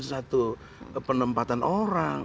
satu penempatan orang